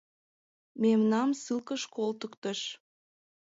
Мемнам ссылкыш колтыктыш.